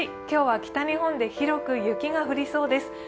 今日は北日本で広く雪が降りそうです。